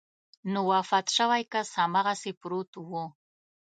نو وفات شوی کس هماغسې پروت و.